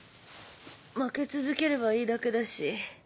負け続ければいいだけだし。